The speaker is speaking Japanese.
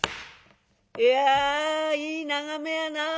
「いやいい眺めやな。